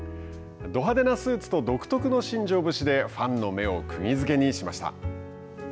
ど派手なスーツと独特の新庄節でファンの目をくぎづけにしました。